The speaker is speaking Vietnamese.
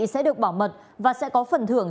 sẽ được bảo mật và sẽ có phần thưởng